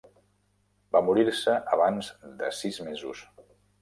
Va morir-se abans de sis mesos.